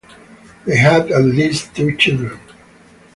They had at least two children.